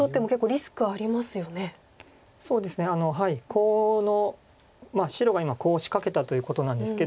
コウの白が今コウを仕掛けたということなんですけど。